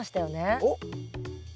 おっ！